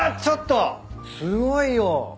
ちょっとすごいよ。